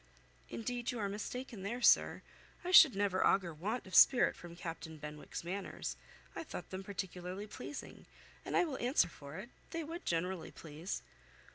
"Indeed you are mistaken there, sir; I should never augur want of spirit from Captain Benwick's manners. I thought them particularly pleasing, and I will answer for it, they would generally please."